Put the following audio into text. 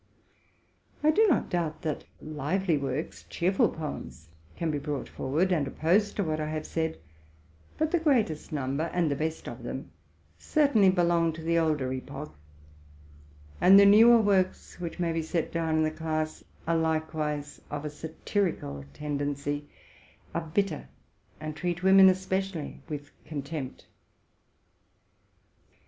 I do not doubt that lively works, cheerful poems, can be brought forward and opposed to what I have said; but the greatest number, and the best of them, certainly belong to the older epoch: and the newer works, which may be set down in the class, are likewise of a satirical tendency, are bitter, and treat women especially with contempt.